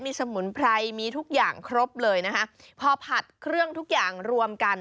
มีสมุนไพรมีทุกอย่างครบเลยนะคะพอผัดเครื่องทุกอย่างรวมกัน